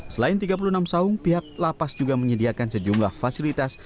selain tiga puluh enam saung pihak lapas juga menyediakan sejumlah fasilitas